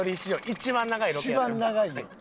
一番長いよ。